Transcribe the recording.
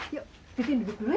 yuk bikin duduk dulu ya